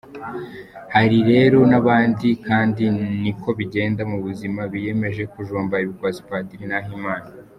Hari rero n’abandi kandi niko bigenda mu buzima biyemeje kujomba ibikwasi padiri Nahimana.